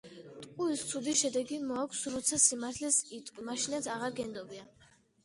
ტყუილს ცუდი შედეგი მოაქვს როცა სიმართლეს იტყვი, მაშინაც აღარ გენდობიან